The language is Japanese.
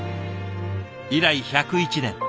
以来１０１年